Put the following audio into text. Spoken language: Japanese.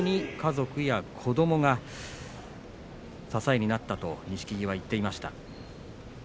家族や子どもが支えになったと錦木は語っていました。